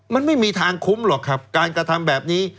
มันไม่มีทางคุ้มหรอกครับการกระทำแบบนี้